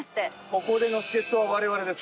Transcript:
ここでの助っ人はわれわれです。